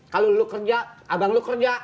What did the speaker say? kalau lu kerja abang lu kerja